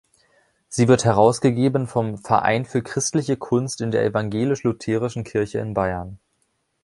Sie wird herausgegeben vom "Verein für Christliche Kunst in der Evangelisch-Lutherischen Kirche in Bayern".